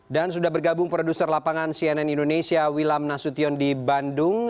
dan sudah bergabung produser lapangan cnn indonesia wilam nasution di bandung